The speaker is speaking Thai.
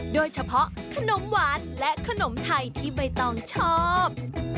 โดยเฉพาะขนมหวานและขนมไทยที่ใบตองชอบ